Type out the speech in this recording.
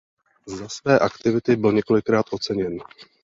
Za své aktivity byl několikrát oceněn.